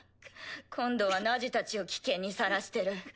今度はナジたちを危険にさらしてる。